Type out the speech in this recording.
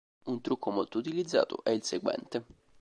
Un trucco molto utilizzato è il seguente.